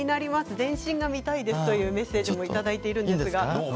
全身が見たいですというメッセージもいただいています。